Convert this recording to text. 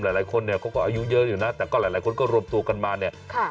หลายคนเนี่ยเขาก็อายุเยอะอยู่นะแต่ก็หลายคนก็รวมตัวกันมาเนี่ย